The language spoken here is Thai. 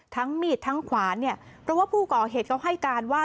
ทั้งมีดทั้งขวานเพราะว่าผู้ก่อเหตุก็ให้การว่า